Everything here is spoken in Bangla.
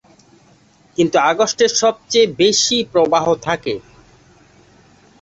কিন্তু আগস্টে সবচেয়ে বেশি প্রবাহ থাকে।